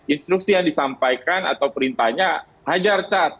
instruksi yang disampaikan atau perintahnya hajar cat